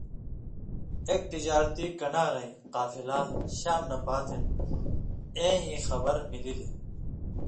اېک تجارتی کَنارَیں (قافلہ) شام نہ پاتُو اېں ای خبر ملِلیۡ۔